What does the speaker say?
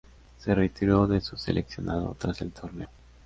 Se retiró de su seleccionado tras el torneo.